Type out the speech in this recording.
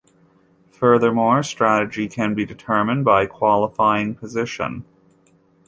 Furthermore, strategy can be determined by qualifying position.